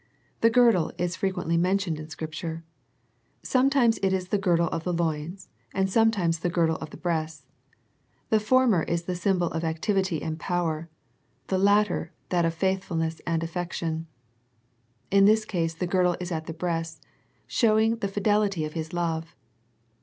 The girdle is frequently mentioned in Scripture. Sometimes it is the girdle of the loins, and sometimes the girdle of the breasts. The former is the symbol of activity and power, the latter that of faithfulness and affection. In this case the girdle is at the breasts, show ing the fidelity of His love.